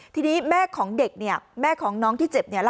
ทีนี้แม่ของเด็กแม่ของน้องที่เจ็บ